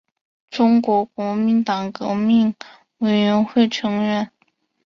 中国国民党革命委员会成员。